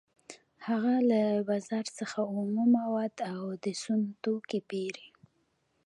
هغه له بازار څخه اومه مواد او د سون توکي پېري